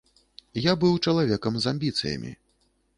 Я быў чалавекам з амбіцыямі.